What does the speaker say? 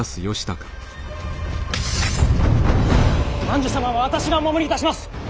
万寿様は私がお守りいたします！